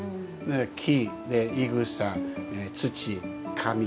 木、いぐさ土、紙。